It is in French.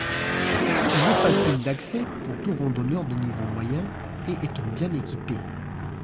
Il est facile d'accès pour tout randonneur de niveau moyen et étant bien équipé.